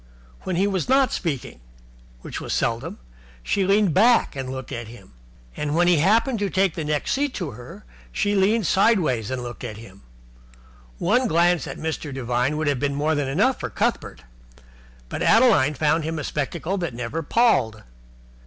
When he was not speaking which was seldom she leaned back and looked at him. And when he happened to take the next seat to her, she leaned sideways and looked at him. One glance at Mr. Devine would have been more than enough for Cuthbert; but Adeline found him a spectacle that never palled.